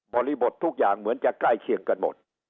บททุกอย่างเหมือนจะใกล้เคียงกันหมด